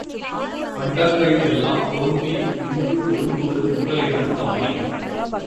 அண்டங்கள் எல்லாம் தோன்றி நின்று ஒடுங்குவது உங்களிடம்தானே!